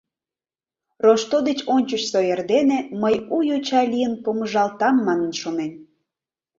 Рошто деч ончычсо эрдене мый у йоча лийын помыжалтам манын шонен.